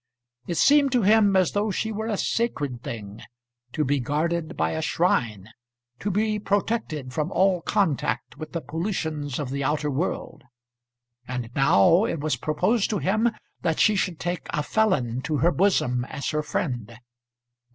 It seemed to him as though she were a sacred thing, to be guarded by a shrine, to be protected from all contact with the pollutions of the outer world. And now it was proposed to him that she should take a felon to her bosom as her friend!